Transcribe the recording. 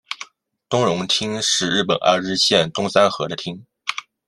东荣町是日本爱知县东三河的町。